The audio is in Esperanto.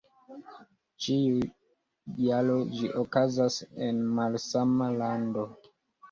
Ĉiu jaro ĝi okazas en malsama lando.